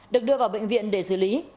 được đưa vào bệnh viện để xử lý